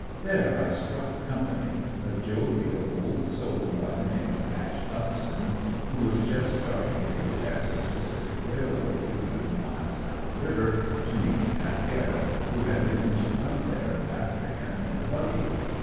There I struck company, a jovial old soul by the name of "Ash" Upson, who was just starting to the Texas Pacific Railroad, two hundred miles down the river, to meet Pat. Garrett, who had written to come there after him, in a buggy.